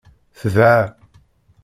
Tedɛa.